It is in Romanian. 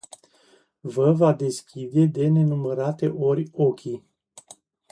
Vă va deschide de nenumărate ori ochii.